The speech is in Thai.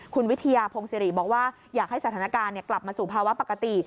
คุณวิทยาพงศิริบอกว่าอยากให้สถานการณ์กลับมาสู่ภาวะปกติ